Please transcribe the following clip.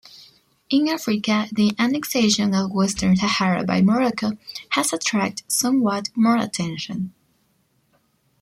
In Africa, the annexation of Western Sahara by Morocco has attracted somewhat more attention.